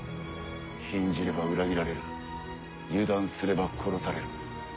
信じれば裏切られる油断すれば殺される。